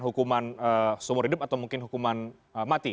hukuman seumur hidup atau mungkin hukuman mati